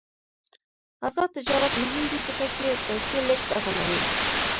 آزاد تجارت مهم دی ځکه چې پیسې لیږد اسانوي.